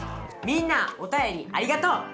みんなおたよりありがとう！